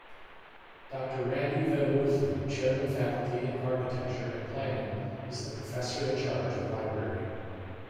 Dr.Ranee Vedamuthu, Chairman Faculty of Architecture and Planning is the Professor in-charge of Library.